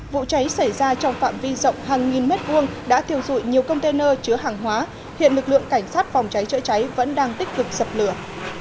vụ cháy xảy ra trong phạm vi rộng hàng nghìn mét vuông đã thiêu dụi nhiều container chứa hàng hóa hiện lực lượng cảnh sát phòng cháy chữa cháy vẫn đang tích cực dập lửa